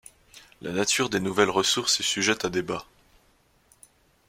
La nature des nouvelles ressources est sujette à débat.